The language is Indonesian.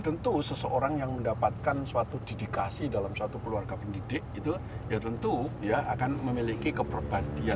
karena itu seseorang yang mendapatkan suatu didikasi dalam suatu keluarga pendidik itu ya tentu ya akan memiliki keperbadian